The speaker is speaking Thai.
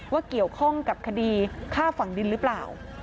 เกี่ยวข้องกับคดีฆ่าฝั่งดินหรือเปล่า